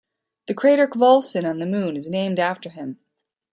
The crater Khvolson on the Moon is named after him.